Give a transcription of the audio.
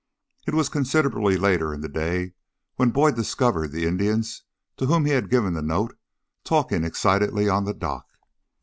It was considerably later in the day when Boyd discovered the Indians to whom he had given the note talking excitedly on the dock.